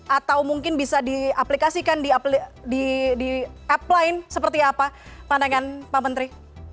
atau mungkin bisa diaplikasikan di appline seperti apa pandangan pak menteri